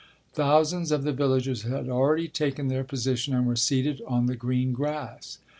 Thousands of the villagers had already taken their position and were seated on the green grass.